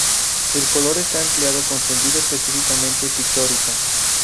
El color está empleado con sentido específicamente pictórico.